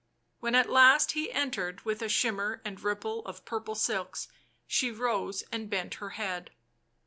When at last he entered with a shimmer and ripple of purple silks, she rose and bent her head.